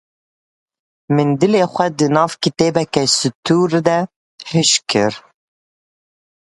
Min dilê xwe di nav kitêbeke sitûr de hişk kir.